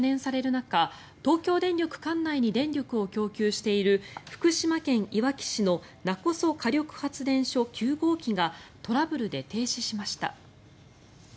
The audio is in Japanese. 中東京電力管内に電力を供給している福島県いわき市の勿来火力発電所９号機がトラブルで停止しました。